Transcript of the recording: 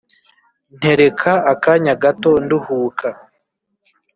ntereka akanya gato nduhuka